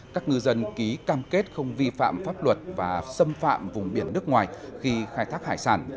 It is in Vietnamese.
các ngư dân ký cam kết không vi phạm pháp luật và xâm phạm vùng biển nước ngoài khi khai thác hải sản